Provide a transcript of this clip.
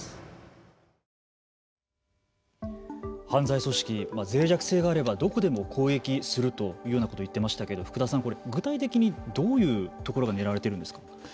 犯罪組織ぜい弱性があればどこでも攻撃するというようなことを言っていましたけれども福田さん、これ具体的にどういうところが狙われているんですか。